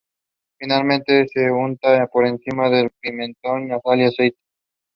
He was several times detained for political reasons.